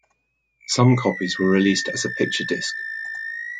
Some copies were released as a picture disc.